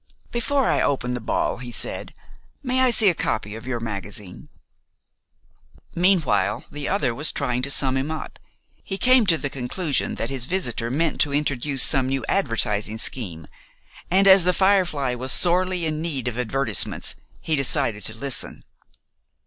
"Before I open the ball," he said, "may I see a copy of your magazine?" Meanwhile the other was trying to sum him up. He came to the conclusion that his visitor meant to introduce some new advertising scheme, and, as "The Firefly" was sorely in need of advertisements, he decided to listen.